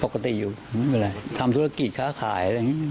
ปกติอยู่เวลาทำธุรกิจค้าขายอะไรอย่างนี้